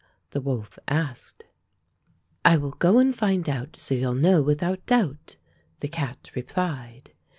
the wolf asked. "I will go and find out So you'll know without doubt," — the cat replied.